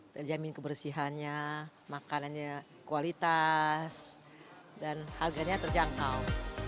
terjamin kebersihannya makanannya kualitas dan harganya terjangkau